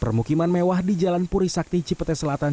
permukiman mewah di jalan puri sakti cipete selatan